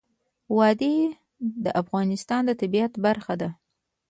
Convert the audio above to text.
وادي د افغانستان د طبیعت برخه ده.